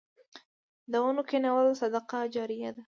د ونو کینول صدقه جاریه ده.